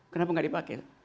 kenapa tidak dipakai